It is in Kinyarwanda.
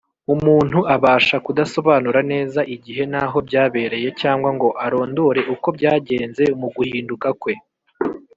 . Umuntu abasha kudasobanura neza igihe n’aho byabereye, cyangwa ngo arondore uko byagenze mu guhinduka kwe;